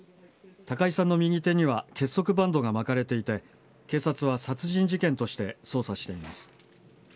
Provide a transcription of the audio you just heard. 高井さんの右手には結束バンドが巻かれていて警察は殺人事件として捜査しています。